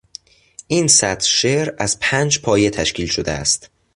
این سطر شعر از پنج پایه تشکیل شده است.